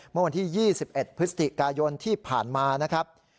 เมื่อวันที่ยี่สิบเอ็ดพฤษฐิกายนที่ผ่านมานะครับ